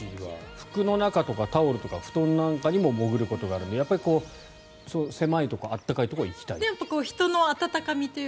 服の中とかタオルとか布団なんかにも潜ることがあるので狭いところ、温かいところに行きたいという。